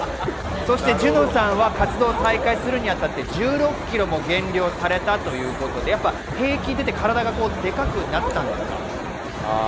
ジュノさんは活動再開するに当たって、１６ｋｇも減量されたということで、兵役に出て体がでかくなったんですか？